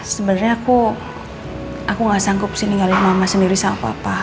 sebenarnya aku gak sanggup sih ninggalin mama sendiri sama papa